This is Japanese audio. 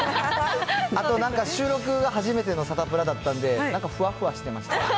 あとなんか、収録が初めてのサタプラだったんで、なんか、ふわふわしてました